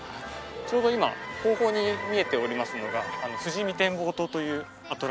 ちょうど今後方に見えておりますのが富士見天望塔というアトラクションでして。